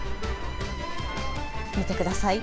見てください。